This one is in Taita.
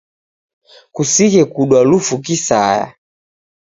Kusighe kudwa lufu kisaya.